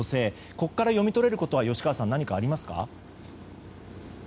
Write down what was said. ここから読み取れることは何かありますか。